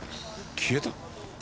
消えた！？